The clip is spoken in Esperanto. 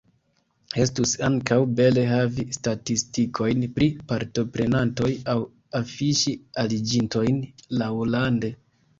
Estus ankaŭ bele havi statistikojn pri partoprenantoj aŭ afiŝi aliĝintojn laŭlande.